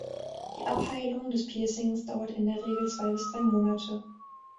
Die Abheilung des Piercings dauert in der Regel zwei bis drei Monate.